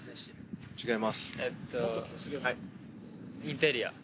インテリア。